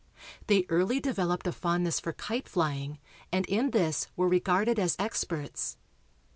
They early developed a fondness for kite flying and in this were regarded as experts.